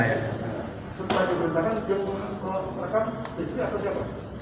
setelah diberi jangkaan dia menggunakan uang merekam istri atau siapa